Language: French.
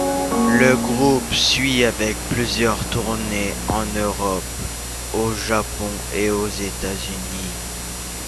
Le groupe suit avec plusieurs tournées en Europe, au Japon et aux États-Unis.